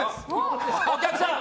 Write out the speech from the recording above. お客さん